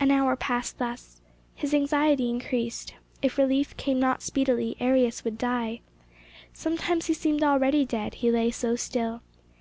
An hour passed thus. His anxiety increased. If relief came not speedily, Arrius would die. Sometimes he seemed already dead, he lay so still.